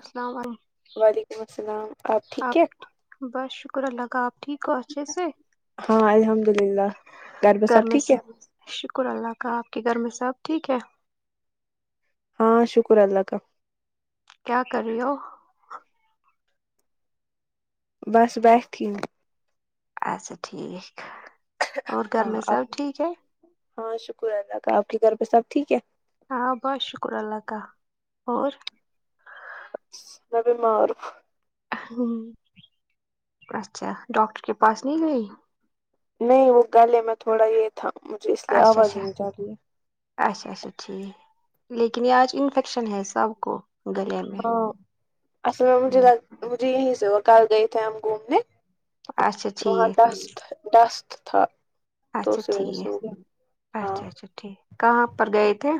السلام وعلیکم السلام علیکم ٹھیک ہے آپ بس شکر اللہ کا آپ ٹھیک ہو اچھے سے ہاں الحمد للہ گھر سب میں ٹھیک ہے سے شکر اللہ کا آپ کے گھر میں سب ٹھیک ہے ہاں شکر ہے اللہ کا کیا کر رہی ہو بس بیٹھی ہوں ایسا ٹھیک اور گھر ہاں میں آپ سب ٹھیک ہے ہاں شکر اللہ کا آپ کے گھر پہ سب ٹھیک ہے ہاں بہت شکر اللہ کا اور میں بیمار ہوں ہوں اچھا ڈاکٹر کے پاس نہیں گئی نہیں وہ گلے میں تھوڑا یہ تھا مجھے اس لیے اچھا آواز اچھا نہیں جا رہی ہے اچھا اچھا ٹھیک لیکن یہ آج انفیکشن ہے سب کو گلے میں ہاں اصل میں مجھے ل ہوں. مجھے یہیں سے وہ کل گئے تھے ہم گھومنے اچھا تو وہاں ٹھیک ڈسٹ ڈسٹ تھا تو اچھا اسی وجہ سے سوگئے ہم ہاں ج کہاں پر گئے تھے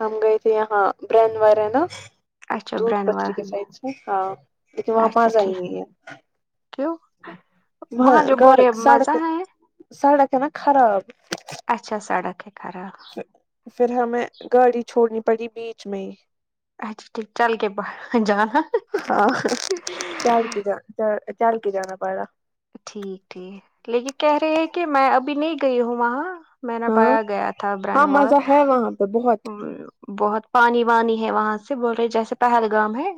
ہم گئے تھے یہاں برین وار نا اچھا دودھ برانور پتری کے سائڈس میں ہاں لیکن وہاں اچھا ٹھیک [unintelligible] کیوں وہ وہاں جو گ بورے سڑک مزہ ہے سڑک ہے نا خراب اچھا سڑک ہے خراب پھر ہمیں گاڑی چھوڑنی پڑی بیچ میں اچھا ٹھیک چل کے باہر جانا ا [unintelligible] چل کے جانا پڑا ٹھیک ٹھیک لیکن کہہ رہی ہے کہ میں ابھی نہیں گئی ہوں وہاں میں ن ہاں باہر گیا تھا برن ہاں وال مزہ ہے وہاں پہ بہت بہت پانی وانی ہے وہاں سے بول رہے جیسے پہلگام ہے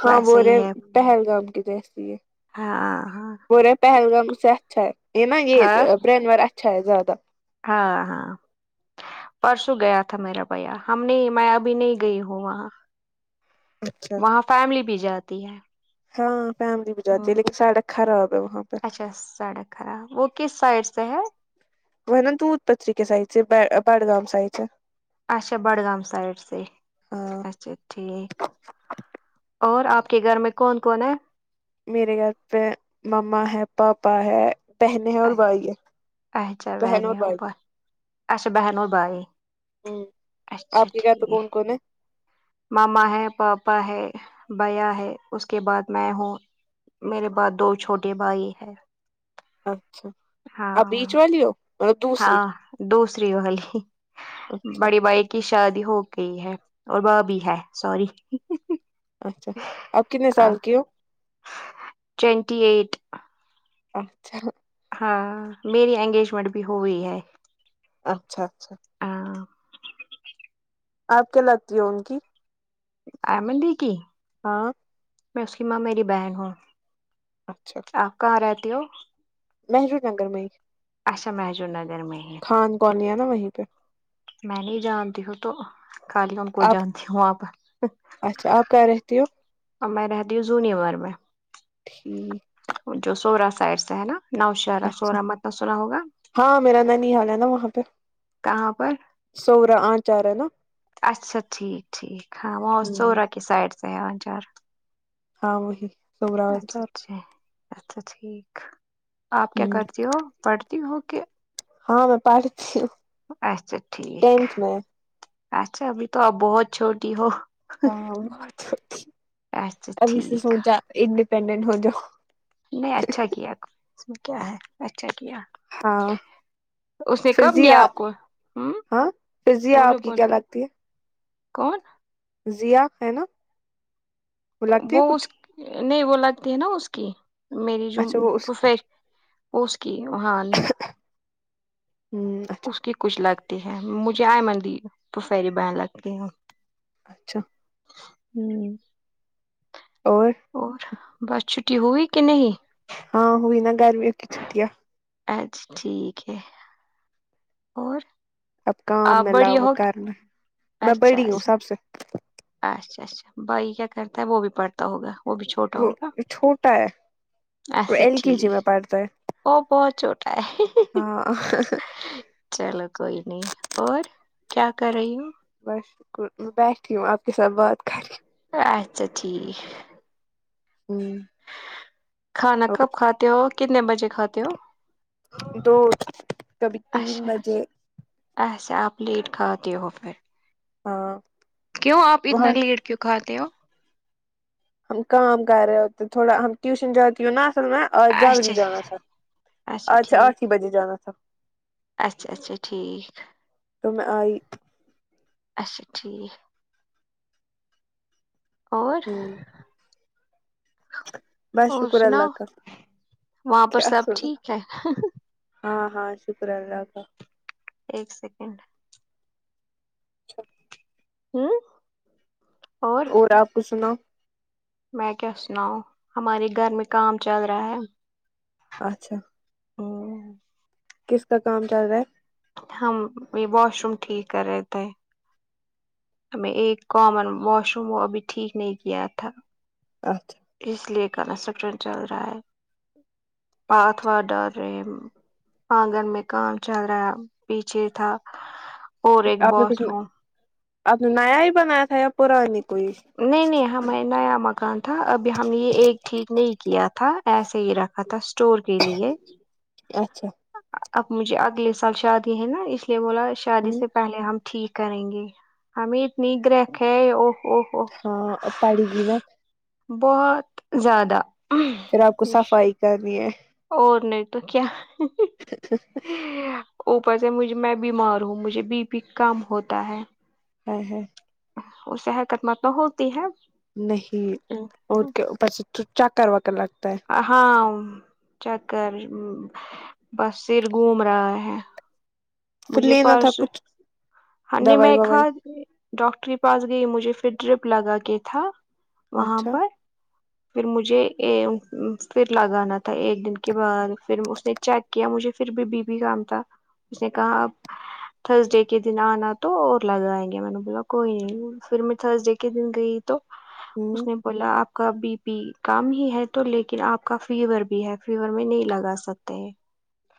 ہاں ویسے بول ہی رہے ہے پہلگام کی جیسی ہے ہاں ہاں وہ رہے پہلگام اس سے اچھا ہے یہ نا ہاں یہ برینور اچھا ہے زیادہ ہاں ہاں پرسوں گیا تھا میرا بھیا ہم نہیں میں ابھی نہیں گئی ہوں وہاں اچھا وہاں فیملی بھی جاتی ہے ہاں فیملی بھی جاتی ہ ہے لیکن سڑک خراب ہے وہاں پہ اچھا سڑک خراب ہے وہ کس سائڈ سے ہے وہ نا دودھ پتریکے سائیڈ سے بڑگام سائیڈ سے اچھا بڈگام سائڈ سے ہاں اچھا ٹھیک اور آپ کے گھر میں کون کون ہے میرے گھر پہ مما ہے پاپا ہے بہن ہیں اور بھائی ہے اچھا بہن اور بہنیں بھائی اوپر اچھا بہن اور بھائی ہوں اچھا آپ کے گھر پر ٹھیک کون کون ہے ماما ہے پاپا ہے بھیا ہے اس کے بعد میں ہوں میرے بعد دو چھوٹے بھائی ہیں اچھا آپ بیچ ہاں والی ہو دوسری ہاں دوسری والی اچھا بڑی بھائی کی شادی ہو گئی ہے اور بھابھی ہے سوری اچھا آپ کتنے ہاں سال کی ہو ٹوینٹی ایٹ اچھا ہاں میری اینگیجمنٹ بھی ہوئی ہے اچھا اچھا ہاں آپ کیا لگتی ہو ان کی ائمن دی کی ہاں میں اس کی ماں میری بہن ہوں اچھا آپ کہاں رہتی ہو محرود نگر میں ہی اچھا محجور نگر میں ہی خان کالنی ہے نا وہیں پہ میں نہیں جانتی ہوں تو خالی ہم کو آپ جانتی ہوں وہاں پر اچھا آپ کہاں رہتی ہو اور میں رہتی ہوں زونیمر میں ٹھیک بچہ سورا سائڈ سے ہے نا نو شہرا اچھا سورا متنا سنا ہوگا ہاں میرا ننیال ہے نا وہاں پہ کہاں پر سوور آچار نا اچھا ٹھیک ٹھیک ہاں وہ ہمم سورہ کے سائڈ ہان چار ہاں وہی سورا اچھا آنچار اچھا اچھا ٹھیک آپ کیا ہمم کرتی ہو پڑھتی ہو کہ ہاں میں پڑھتی ہوں اچھا ٹھیک ٹینتھ میں اچھا ابھی تو آپ بہت چھوٹی ہو ہاں بٹ اچھا ابھی سے ٹھیک سوچا انڈیپینڈنٹ ہو جا نہیں اچھا کیا کیا ہے اچھا کیا ہاں اس نے کب فرزیا لیا آپ کو ہوں ہاں فرزیا بولو آپ کی بولو کیا لگتی ہے کون ضیا ہے نا لگتی ہے وہ کچھ اس نہیں وہ لگتی ہے نا اس کی میری جو اچھا وہ اس پھوفے اس کی وہاں ہوں اچھا اس کی کچھ لگ تی ہیں مجھے آئمن دی پہوفری بہن لگتی ہیں اچھا ہوں اور اور بس چھٹی ہوئی کہ نہیں ہاں ہوئی نا گرمیوں کی چھٹیاں اچھا ٹھیک ہے اور اب کام آپ ملا بڑی وہ ہو کرنا کہ- میں اچھا بڑی ہوں اچھا سب سے اچھا اچھا بھائی کیا کرتا ہے وہ بھی پڑھتا ہوگا وہ بھی چھوٹا وہ ہوگا چھوٹا ہے وہ ایسا ایل کے جی میں ٹھیک پڑتا ہے وہ بہت چھوٹا ہے ہاں چلو کوئی نہیں اور کیا کر رہی ہوں بس شکر میں بیٹھی ہوں آپ کے ساتھ بات کری اچھا ٹھیک ہوں کھانا کب کھاتے ہو کتنے بجے کھاتے ہو دو کبھی تین بجے ایسے آپ لیٹ کھاتے ہو پھر ہاں کیوں آپ اتنا وہاں لیٹ کیوں کھاتے ہو ہم کام کر رہے ہوتے تھوڑا ہم ٹیوشن جاتی ہو نا تو میں آج جلد ہی اچھا جانا تھا اچھا آج ٹھیک آٹھ ہی بجے جانا تھا اچھا اچھا ٹھیک تو میں آئی اچھا ٹھیک اور ہوں [inaudible] بس اور شکر اللہ سناؤ کا وہاں پر کیا سب سن ٹھیک ہے ہاں ہاں شکر ہے اللہ کا ایک سیکنڈ اچھا ہوں اور آپ کو سناؤ میں کیا سناؤں ہمارے گھر میں کام چل رہا ہے اچھا اہ کس کا کام چل رہا ہے ہم یہ واش روم ٹھیک کر رہے تھے تمہے ایک کامن واشروم وہ ابھی ٹھیک نہیں کیا تھا اچھا اس لیے کنسٹشن چل رہا ہے اور پات واد ڈال رہے آنگن میں کام چل رہا ہے پیچھے تھا اور ایک آپ نے باتھ کچھ روم آپ نے نیا ہی بنایا تھا یا پرانی کو ہی نہیں نہیں ہمیں نیا مکان تھا ابھی ہم نے یہ ایک ٹھیک نہیں کیا تھا ایسے ہی رکھ اتھا اسٹور کے لیے اچھا اب مجھے اگلے سال شادی ہے نا اس یہ بولا شادی سے پہلے ہم ٹھیک کریں گے ہمیں اتنی گرہ ہے او او ہاں اب پڑے گی نا بہت زیادہ پھر آپ کو صفائی کرنی ہے اور نہیں تو کیا اوپر سے مجھے میں بیمار ہوں مجھے بی پی کم ہوتا ہے آئے ہائے اس سے حکمت تو ہوتی ہے نہیں اور کیا اوپر سے تو چو چا کروا کر لاتا ہے ہاں چکر بس سر گھوم رہا ہے پھر مجھے لینا تھا پرسوں کچھ ہم نے دوائی میں کھا ووائی ڈاکٹر کے پاس گئی مجھے پھر ڈیرپ لگا کے تھا وہاں اچھا پر پھر مجھے اے پھر لگانا تھا ایک دن کے بعد پھر اس نے چیک کیا مجھے پھر بھی بی پی کم تھا اس نے کہا اب تھرز ڈے کے دن آنا تو اور لگائیں گے میں نے بولا کوئی نہیں پھر میں تھرز ڈے کے دن گئی تو اس ہوں نے بولا آپ کا بی پی کم ہی ہے تو لیکن آپ کا فیور بھی ہے فیور میں نہیں لگا سکتے ہیں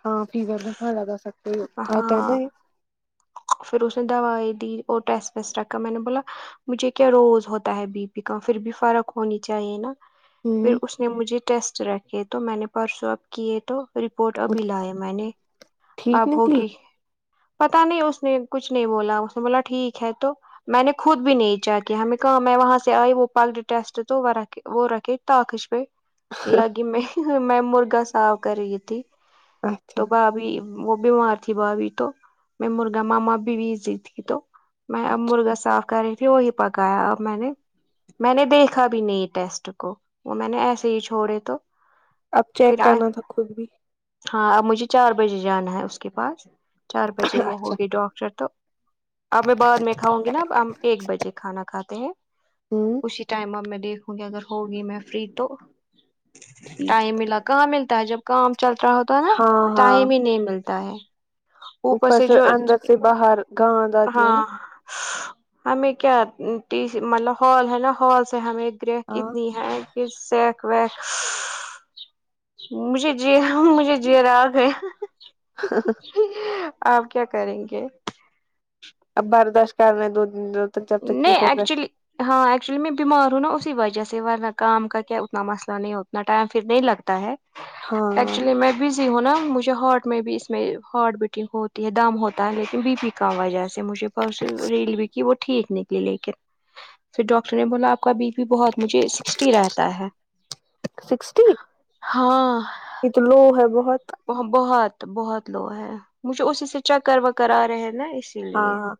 ہاں فیور میں کہاں لگا سکتے ہیں آتا ہاں نہیں پھر اس نے دوائی دی اور ٹس ویسٹ رکھا میں نے بولا مجھے کیا روز ہوتا ہے بی پی کا پھر بھی فرق ہونی چاہیے نا پھر ہوں اس نے مجھے ٹیسٹ رکھے تو میں نے پرسوں اب کیے تو رپورٹ ابھی لائے میں نے ٹھیک اب نکلی ہوگی پتا نہیں اس نے کچھ نہیں بولا اس نے بولا ٹھیک ہے تو میں نے خود بھی نہیں چیک کیا ہمیں کہاں میں وہاں سے آئی وہ پل ٹیسٹ تو واں رکھ وہ رکھے ٹاخش پہ لگی میں میں مرغا صاف کر رہی تھی اچھا تو بھابھی وہ بھی وہاں تھی بھابھی تو میں مرغا مما بھی بزی تھی تو میں اب اچھا مرغا صاف کر رہی تھر وہی پکایا اب میں نے میں نے دیکھا بھی نہیں ٹیسٹ کو وہ میں نے ایسے ہی چھوڑے تو اب چیک پھر آئے کرنا تھا خود بھی ہاں اب مجھے چار بجے جانا ہے اس کے پاس چار بجے وہ اچھا ہوگی ڈاکٹر تو اب میں بعد میں کھاؤں گی نا اب ہم ایک بجے کھانا کھاتے ہیں ہوں اسی ٹائم اب میں دیکھوں گی اگر ہوگی میں فری تو ٹھیک ٹائم ملا کہاں ملتا ہے جب کام چل رہا ہوتا ہے نا ہاں ہاں ٹائم ہی نہیں ملتا ہے اوپر سے جو اندر سے باہر گاند آتی ہے ہاں نا ہمیں کیا ٹی مطلب ہال ہے نا ہال سے ہمیں گرہ ہاں اتنی ہے کہ سیک ویک مجھے جی ہاں مجھے جیراگ ہے آپ کیا کریں گے اب برداشت کرنے دو دو نہیں ایکچولی ہاں ایکچولی میں بیمار ہوں نا اسی وجہ سے ورنہ کام کا کیا اتنا مسئلہ نہیں اتنا ٹائم پھر نہیں لگتا ہے ہاں ایکچولی میں بزی ہو نہ مجھے ہارٹ میں بھی اس میں ہارٹ بیٹنگ ہوتی ہے دم ہوتا ہے لیکن بی پی کا وجہ سے مجھے پرسوں ریڈی بھی کی وہ ٹھیک نہیں تھی لیکن تو ڈاکٹر نے بولا آپ کا بی پی بہت مجھے سکسٹی رہتا ہے سکسٹی ہاں یہ تو لو ہے بہت وہ بہت بہت لو ہے مجھے اسی سے چکر وکر آ رہے ہیں نا اس اسی ہاں لیے ہاں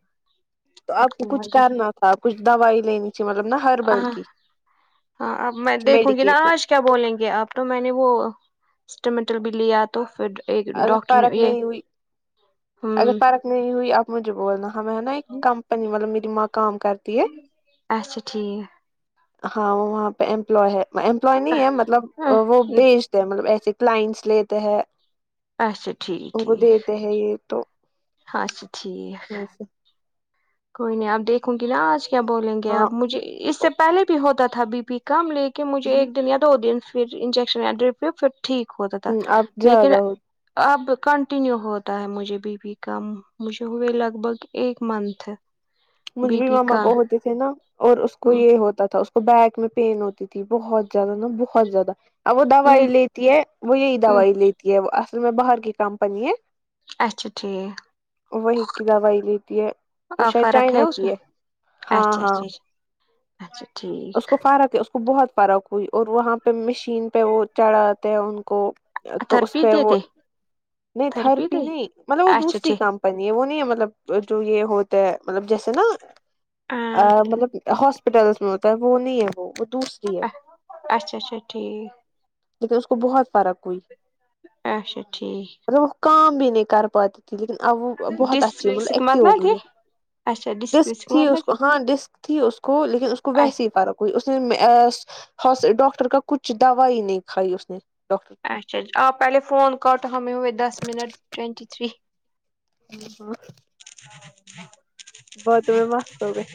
تو آپ کو اسی کچھ وجہ کرنا تھا کچھ دوائی لینی تھی مطلب نا ہربل ہاں کی ہاں اب میں دیکھوں گی نا میڈیکیٹڈ آج کیا بولیں گے آپ تو میں نے وہ اسٹامیٹل بھی لیا تو پھر ایک اگر ڈاکٹر نے فرق یہ نہیں ہوئی ہوں اگر فرق نہیں ہوئی اب مجھے بولنا ہم ہے نا ایک کمپنی مطلب میری ماں کام کر اچھا ٹھیک ہاں وہ وہاں پہ امپلائے ہے امپلائے نہیں ہے مطلب وہ بھیج تے ہے مطلب ایسے کلائنٹس لیتے ہے اچھا ٹھیک ان کو ٹھیک دیتے ہے یہ تو ہاں اچھا ٹھیک کہاں سے کوئی نہیں آپ دیکھوں گی نا آج کیا بولیں گے ہاں آپ مجھے اس سے پہلے بھی ہوتا تھا بی پی کم لے کے مجھے ایک دن یا دو دن پھر انجیکشن یا ڈرپ پھر ٹھیک ہوتا تھا اب لیکن زیادہ ہو اب کنٹینیو ہوتا ہے مجھے بی پی کم مجھے ہوئے لگ بھگ ایک منتھ ہے مجھ بھی ماما کو ہوتے تھے نا اور اس کو یہ ہوتا تھا اس وہ بیک میں پین ہوتی تھی بہت زیادہ نا بہت زیادہ اب وہ دوائی لیتی ہے وہ یہی دوائی لیتی ہے وہ اصل میں باہر کی کمپنی ہے اچھا ٹھیک وہی کی دوائی لیتی ہے تو شاید فرق اس لیتی میں ہے ہاں اچھا ہاں اچھا اچھا ٹھیک اس کو فرق ہے اس کو بہت فرق ہوئی اور وہ وہاں پہ مشین پہ وہ چڑھاتے ہیں ان کو تو اس تھرپی پہ وہ دیتے نہیں تھرپی نہیں مطلب وہ اچھا دوسری ٹھیک کم نی یہ وہ نہیں ہے مطلب جو یہ ہو تے ہیں مطلب جیسے نا ہاں ا مطلب ہاسپٹلس میں ہوتا ہے وہ نہیں ہے وہ ہوتا ہے اچھا اچھا ٹھیک کیونکے اس کو بہت فرق ہوئی اچھا ٹھیک روہو وہ کام بھی نہیں کر پاتی تھی لیکن اب وہ بہت اچھی مطلب ڈسک ایکٹو مت ہو نہ دے گئی اچھا ڈسکس ڈسک تھی مطلب اس کو ہاں ڈسک تھی اس کو لیکن اس کو ویسی فرق ہوئی اس نے مس ڈاکٹر کا کچھ دوائی نہیں کھائی اس نے ڈاکٹر کی اچھا آپ پہلے فون کاٹو ہمیں ہوئے دس منٹ ٹوینٹی تھری ہاں [inaudible] باتوں میں مست ہوگئی